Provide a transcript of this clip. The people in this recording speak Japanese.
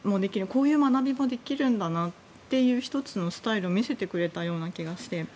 こういう学びもできるんだなという１つのスタイルを見せてくれたような気がして。